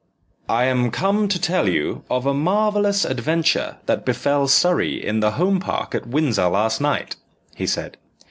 "I am come to tell you of a marvellous adventure that befell Surrey in the Home Park at Windsor last night," he said.